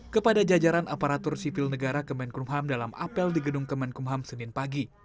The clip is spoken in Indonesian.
kepada jajaran aparatur sipil negara kemenkumham dalam apel di gedung kemenkumham senin pagi